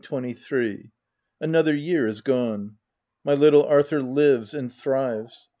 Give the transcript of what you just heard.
Dec. 25th, 1823. Another year is gone. My little Arthur live and thrives.